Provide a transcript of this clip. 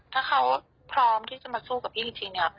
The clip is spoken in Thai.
ถ้าเขาพร้อมที่จะมาสู้กับที่นี่